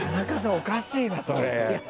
おかしいなそれ。